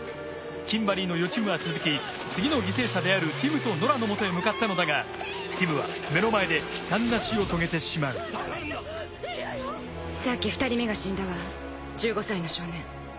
キンバリーの予知夢は続き次の犠牲者であるティムとノラのもとへ向かったのだがティムは目の前で悲惨な死を遂げてしまうさっき２人目が死んだわ１５歳の少年。